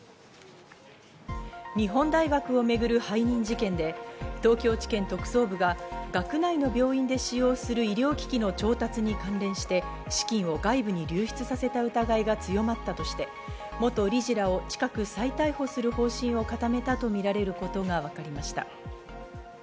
日本大学を巡る背任事件で東京地検特捜部が学内の病院で使用する医療機器の調達に関連して、資金を外部に流出させた疑いが強まったとして元理事らを近く再逮捕する方針を固めたとみられることが分かりました。